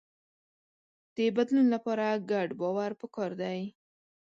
د بدلون لپاره ګډ باور پکار دی.